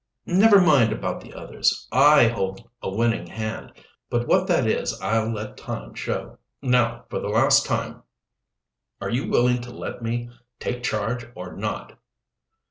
"Never mind about the others. I hold a winning hand, but what that is I'll let time show. Now, for the last time, are you willing to let me take charge or not?"